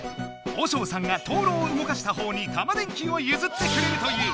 和尚さんがとうろうをうごかしたほうにタマ電Ｑをゆずってくれるという。